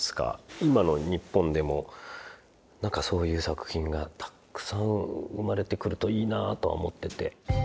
今の日本でも何かそういう作品がたくさん生まれてくるといいなとは思ってて。